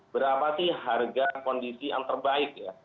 berapa sih harga kondisi yang terbaik ya